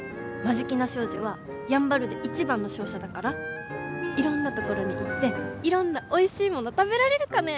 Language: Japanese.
眞境名商事はやんばるで一番の商社だからいろんなところに行っていろんなおいしいもの食べられるかね。